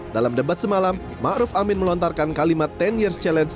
dalam debat semalam ma'ruf amin melontarkan kalimat sepuluh years challenge